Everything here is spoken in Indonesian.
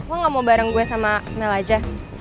lo gak mau bareng gue sama mel aja